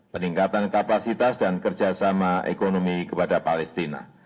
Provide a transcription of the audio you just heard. peningkatan kapasitas dan kerjasama ekonomi kepada palestina